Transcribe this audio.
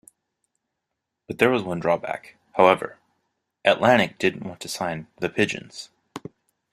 But there was one drawback, however: Atlantic didn't want to sign "The Pigeons".